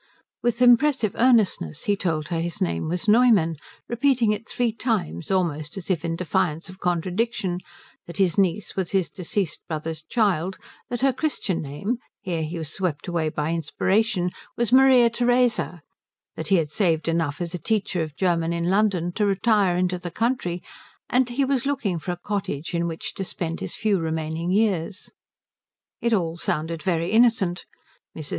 With impressive earnestness he told her his name was Neumann, repeating it three times, almost as if in defiance of contradiction; that his niece was his deceased brother's child; that her Christian name here he was swept away by inspiration was Maria Theresa; that he had saved enough as a teacher of German in London to retire into the country; and that he was looking for a cottage in which to spend his few remaining years. It all sounded very innocent. Mrs.